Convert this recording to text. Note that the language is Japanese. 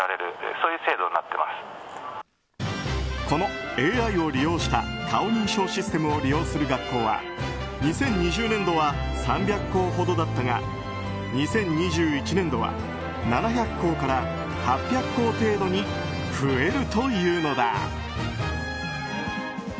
このＡＩを利用した顔認証システムを利用する学校は２０２０年度は３００校ほどだったが２０２１年度は７００校から８００校程度に増えるというのだ。